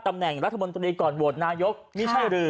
อ่านั่นสิ